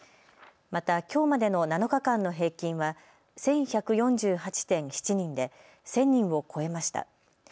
またきょうまでの７日間の平均は１１４８．７人で１０００人を超えました。